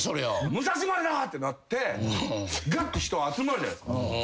「武蔵丸だ！」ってなってガッと人集まるじゃないですか。